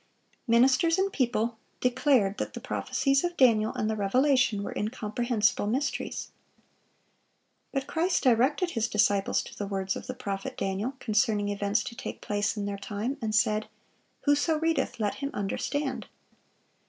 Ministers and people declared that the prophecies of Daniel and the Revelation were incomprehensible mysteries. But Christ directed His disciples to the words of the prophet Daniel concerning events to take place in their time, and said, "Whoso readeth, let him understand."